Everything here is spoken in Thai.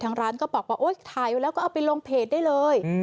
ทางร้านก็บอกว่าโอ๊ยถ่ายไว้แล้วก็เอาไปลงเพจได้เลย